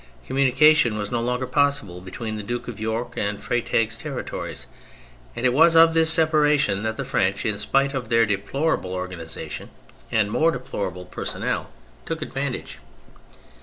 Communication was no longer possible between the Duke of York's and Freytag's territories, and it was of this separation that the French, in spite of their deplorable organisation and more deplorable personnel, took advantage.